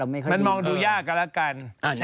มันมองดูยากอะละกัน